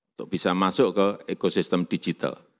untuk bisa masuk ke ekosistem digital